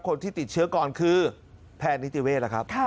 คนที่ติดเชื้อก่อนคือแพทย์นิติเวศล่ะครับ